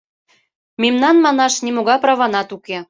— Мемнан, — манеш, — нимогай праванат уке.